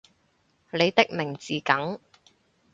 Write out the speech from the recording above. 你的名字梗